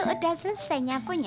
lu udah selesai nyapunya